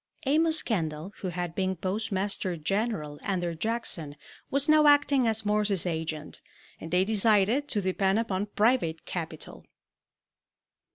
Amos Kendall, who had been Postmaster General under Jackson, was now acting as Morse's agent, and they decided to depend upon private capital.